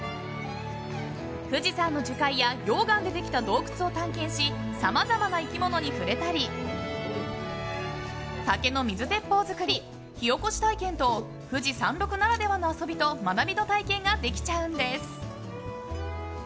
富士山の樹海や溶岩でできた洞窟を探検しさまざまな生き物に触れたり竹の水鉄砲作り、火起こし体験と富士山麓ならではの遊びと学びの体験ができちゃうんです。